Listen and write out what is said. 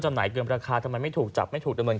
ไหนเกินราคาทำไมไม่ถูกจับไม่ถูกดำเนิน